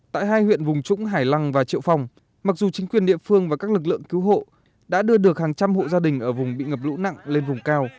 tại hai huyện vùng trũng hải lăng và triệu phong mặc dù chính quyền địa phương và các lực lượng cứu hộ đã đưa được hàng trăm hộ gia đình ở vùng bị ngập lũ nặng lên vùng cao